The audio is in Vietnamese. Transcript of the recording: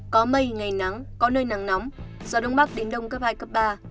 có mây ngày nắng có nơi nắng nóng gió đông bắc đến đông cấp hai cấp ba